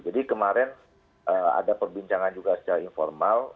jadi kemarin ada perbincangan juga secara informal